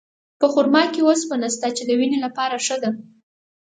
په خرما کې اوسپنه شته، چې د وینې لپاره ښه ده.